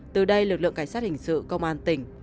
từ đây lực lượng cảnh sát hình sự công an tỉnh